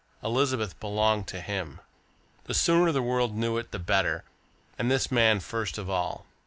Elizabeth belonged to him. The sooner the world knew it, the better, and this man first of all.